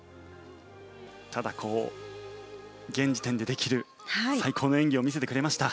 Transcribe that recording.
ただ、現時点でできる最高の演技を見せてくれました。